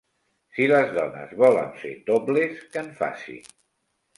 Si les dones volen fer topless, que en facin.